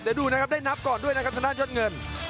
เดี๋ยวดูนะครับได้นับก่อนด้วยนะครับทางด้านยอดเงิน